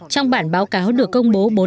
trong bản báo cáo được công bố